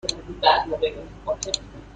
به من نشان دهید، لطفا، یک راهنمای سفر.